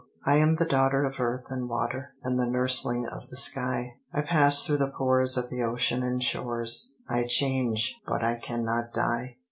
I am the daughter of Earth and Water, And the nursling of the Sky: RAINBOW GOLD I pass through the pores of the ocean and shores; I change, but I cannot die.